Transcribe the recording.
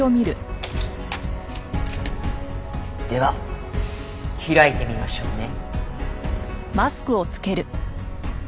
では開いてみましょうね。